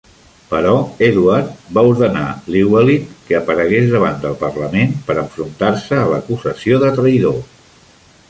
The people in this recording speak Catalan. Però Eduard va ordenar Llywelyn que aparegués davant del Parlament per enfrontar-se a l'acusació de traïdor.